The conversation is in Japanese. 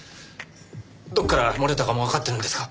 どこから漏れたかもわかっているんですか？